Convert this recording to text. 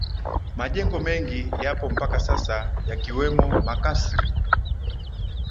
Majengo mengi yapo mpaka sasa yakiwemo makasri